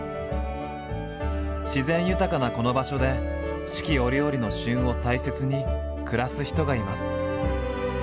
自然豊かなこの場所で四季折々の「旬」を大切に暮らす人がいます。